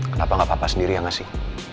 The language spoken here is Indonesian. kenapa nggak papa sendiri yang ngasih